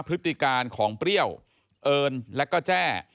พฤติการของเปรี้ยวเอิญแล้วก็แจ้